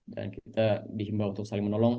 dan kita dihimbau untuk saling menolong